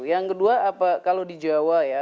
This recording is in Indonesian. yang kedua kalau di jawa ya